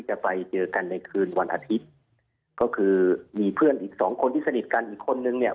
จะไปเจอกันในคืนวันอาทิตย์ก็คือมีเพื่อนอีกสองคนที่สนิทกันอีกคนนึงเนี่ย